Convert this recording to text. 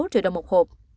hai sáu triệu đồng một hộp